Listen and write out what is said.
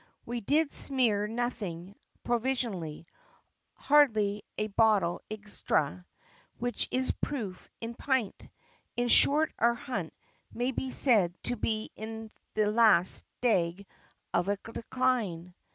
We did smear nothing provisionally, hardly a Bottle extra, wich is a proof in Pint. In short our Hunt may be said to be in the last Stag of a decline."